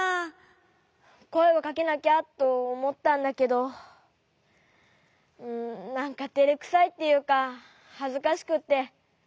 こえをかけなきゃとおもったんだけどなんかてれくさいっていうかはずかしくって。